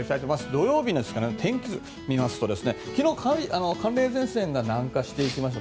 土曜日の天気図を見ますと昨日、寒冷前線が南下していきました。